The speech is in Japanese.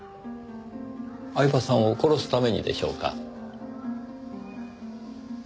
饗庭さんを殺すためにでしょうか？